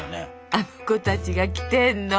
あの子たちが来てんの。